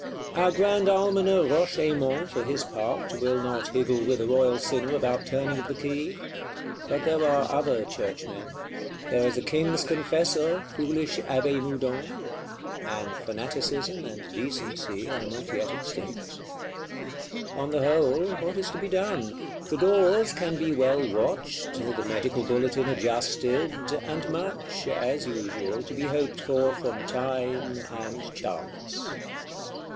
Our Grand Almoner Roche Aymon, for his part, will not higgle with a royal sinner about turning of the key: but there are other Churchmen; there is a King's Confessor, foolish Abbé Moudon; and Fanaticism and Decency are not yet extinct. On the whole, what is to be done? The doors can be well watched; the Medical Bulletin adjusted; and much, as usual, be hoped for from time and chance.